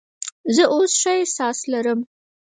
زه اوس ښه احساس لرم.